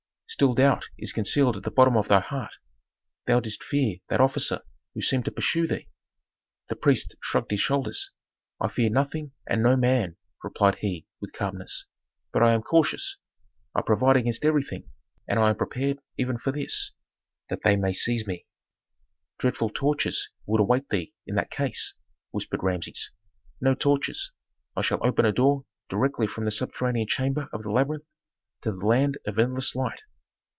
"Still doubt is concealed at the bottom of thy heart; thou didst fear that officer who seemed to pursue thee." The priest shrugged his shoulders. "I fear nothing and no man," replied he with calmness, "but I am cautious. I provide against everything, and I am prepared even for this, that they may seize me." "Dreadful tortures would await thee in that case!" whispered Rameses. "No tortures. I shall open a door directly from the subterranean chamber of the labyrinth to the land of endless light."